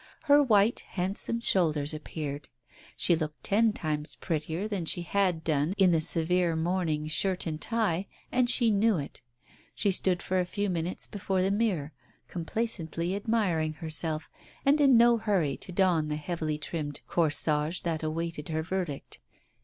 Her white, handsome shoulders appeared; she looked ten times prettier than she had done in the severe morning shirt and tie, and she knew it. She stood for a few minutes before the mirror, complacently admiring her self and in no hurry to don the heavily trimmed corsage that awaited her verdict.